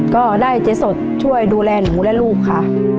ก็ได้เจ๊สดช่วยดูแลหนูและลูกค่ะ